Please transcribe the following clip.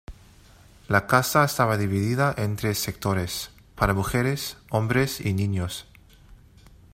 La casa estaba dividida entres sectores: para mujeres, hombres y niños.